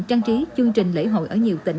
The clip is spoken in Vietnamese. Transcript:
trang trí chương trình lễ hội ở nhiều tỉnh